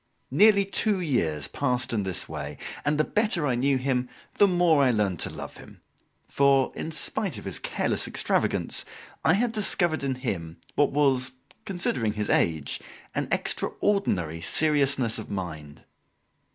Nearly two years passed in this way, and the better I knew him, the more I learned to love him; for, in spite of his careless extravagance, I had discovered in him what was, considering his age, an extraordinary seriousness of mind.